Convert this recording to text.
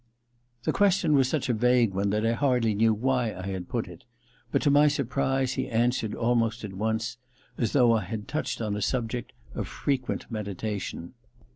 The question was such a vague one that I hardly knew why I had put it, but to my sur prise he answered almost at once, as though I had touched on a subject of frequent meditation.